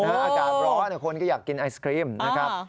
อากาศร้อนคนก็อยากกินไอศครีมนะครับ